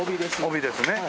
帯ですね。